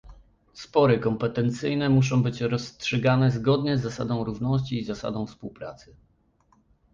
Spory kompetencyjne muszą być rozstrzygane zgodnie z zasadą równości i z zasadą współpracy